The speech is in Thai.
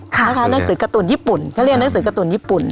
นะคะหนังสือการ์ตูนญี่ปุ่นเขาเรียกหนังสือการ์ตูนญี่ปุ่น